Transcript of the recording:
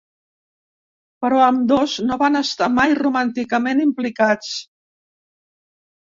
Però ambdós no van estar mai romànticament implicats.